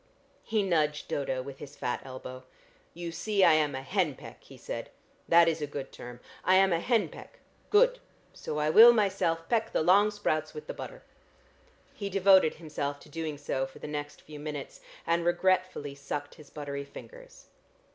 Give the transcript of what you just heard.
He nudged Dodo with his fat elbow. "You see, I am a hen peck," he said. "That is a good term. I am a hen peck. Good! So I will myself peck the long sprouts with the butter." He devoted himself to doing so for the next few minutes, and regretfully sucked his buttery fingers.